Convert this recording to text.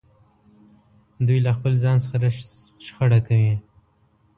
دوی له خپل ځان سره شخړه کې وي.